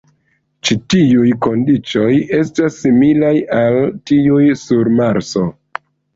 Ĉi tiuj kondiĉoj estas similaj al tiuj sur Marso.